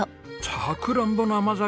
さくらんぼの甘酒！